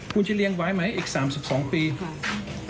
คุณจะเลี้ยงว่าไหมอีก๓๒ปีค่ะ